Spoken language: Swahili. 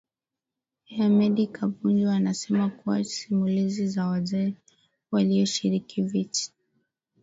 Hemedi Kapunju anasema kuwa simulizi za wazee walioshiriki vit